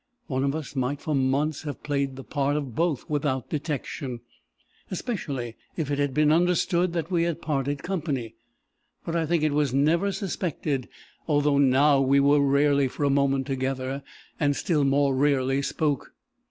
One of us might for months have played the part of both without detection especially if it had been understood that we had parted company; but I think it was never suspected, although now we were rarely for a moment together, and still more rarely spoke.